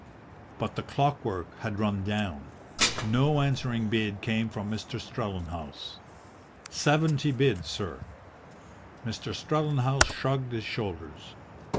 But the clockwork had run down. No answering bid came from Mr. Strellenhaus. "Seventy bid, sir." Mr. Strellenhaus shrugged his shoulders.